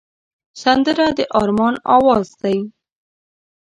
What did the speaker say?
سندره د ارمان آواز دی